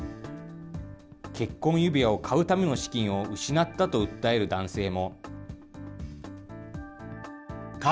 結婚指輪を買うための資金を失ったと訴える男性も。